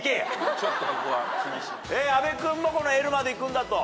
阿部君もこのＬまでいくんだと。